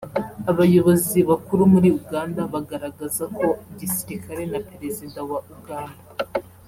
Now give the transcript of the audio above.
Abayobozi bakuru muri Uganda bagaragaza ko igisirikare na Perezida wa Uganda